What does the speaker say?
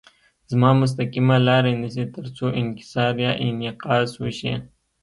رڼا مستقیمه لاره نیسي تر څو انکسار یا انعکاس وشي.